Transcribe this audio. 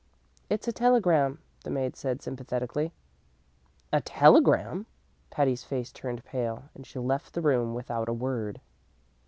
"It's a telegram," the maid said sympathetically. "A telegram?" Patty's face turned pale, and she left the room without a word.